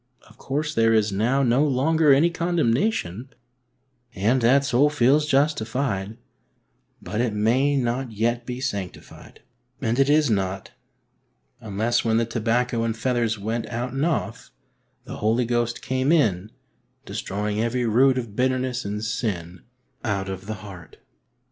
Of course there is now no longer any condemnation, and that soul feels justified ; but it may not yet be sanctified, and it is not, unless when the tobacco and feathers went out and off, the Holy Ghost came in, destroying every root of bitter ness and sin out of the heart.